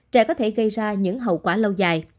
trẻ có thể gây ra những hậu quả lâu dài